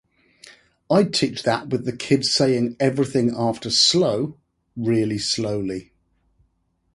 I’d teach that with the kids saying everything after “slow” really slowly.